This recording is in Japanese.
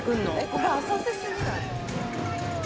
「これ浅瀬すぎない？」